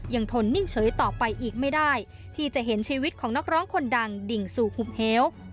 ทนนิ่งเฉยต่อไปอีกไม่ได้ที่จะเห็นชีวิตของนักร้องคนดังดิ่งสู่คุมเหว